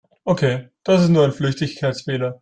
Okay, das ist nur ein Flüchtigkeitsfehler.